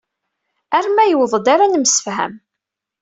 Arma yewweḍ-d ara nemsefham.